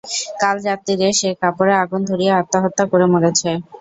কাল রাত্তিরে সে কাপড়ে আগুন ধরিয়ে আত্মহত্যা করে মরেছে।